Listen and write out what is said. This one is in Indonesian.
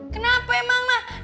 kenapa emang ma